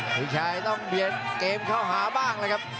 เวทวิชิตต้องเบียนเกมเข้าหาบ้างเลยครับ